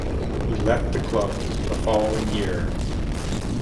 He left the club the following year.